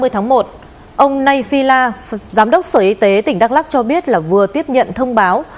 ba mươi tháng một ông nay phi la giám đốc sở y tế tỉnh đắk lắc cho biết là vừa tiếp nhận thông báo